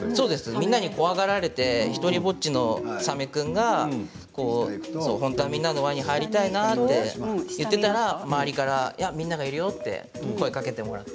みんなに怖がられて独りぼっちのサメ君が本当は、みんなの輪に入りたいと言っていたら周りから、みんながいるよと声をかけてくれて。